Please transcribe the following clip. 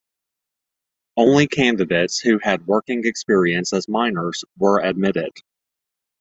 Only candidates who had working experience as minors were admitted.